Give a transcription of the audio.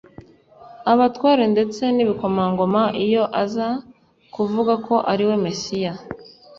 abatware ndetse n'ibikomangoma. Iyo aza kuvugako ariwe Mesiya,